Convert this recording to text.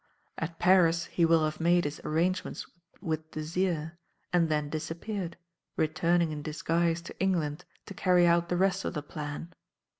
At Paris he will have made his arrangements with Desire and then disappeared, returning in disguise to England to carry out the rest of the plan.